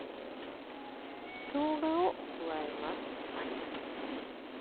しょうがを加えます。